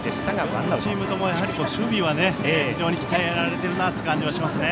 両チームとも守備は非常に鍛えられてるなという感じがしますね。